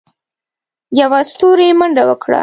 يوه ستوري منډه وکړه.